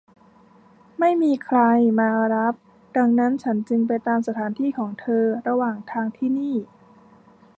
ไม่มีใครมารับดังนั้นฉันจึงไปตามสถานที่ของเธอระหว่างทางที่นี่